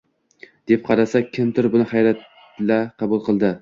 deb qarasa, kimdir buni hayrat-la qabul qildi